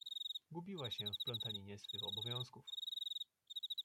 Gubiła się w plątaninie swych obowiązków.